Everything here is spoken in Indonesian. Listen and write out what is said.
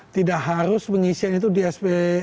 tidak harus pengisian itu di sp